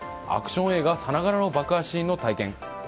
アクション映画さながらの爆破シーンの体験。